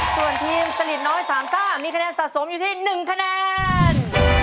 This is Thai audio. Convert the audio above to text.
ส่วนทีมสลิดน้อย๓ซ่ามีคะแนนสะสมอยู่ที่๑คะแนน